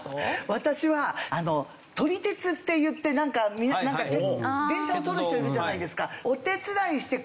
私は「撮り鉄」っていってなんか電車を撮る人いるじゃないですか。